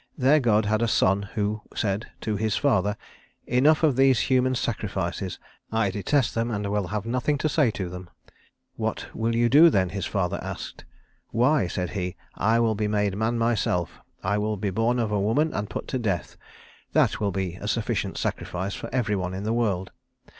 Their God had a Son Who said to His Father, 'Enough of these human sacrifices. I detest them and will have nothing to say to them.' 'What will you do then?' his Father asked. 'Why,' said He, 'I will be made man myself. I will be born of a woman, and put to death. That will be a sufficient sacrifice for every one in the world.'